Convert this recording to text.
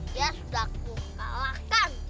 kian sudah kukalahkan